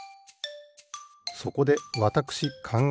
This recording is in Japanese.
そこでわたくしかんがえました。